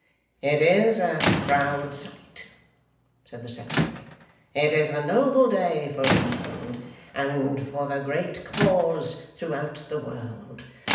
'It is a proud sight,' said the secretary. 'It is a noble day for England, and for the great cause throughout the world.